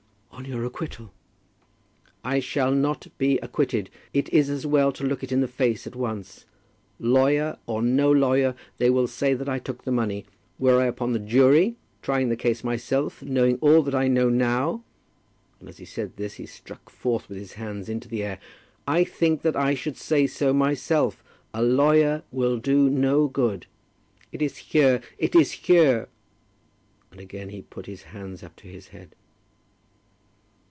"On your acquittal." "I shall not be acquitted. It is as well to look it in the face at once. Lawyer, or no lawyer, they will say that I took the money. Were I upon the jury, trying the case myself, knowing all that I know now," and as he said this he struck forth with his hands into the air, "I think that I should say so myself. A lawyer will do no good. It is here. It is here." And again he put his hands up to his head.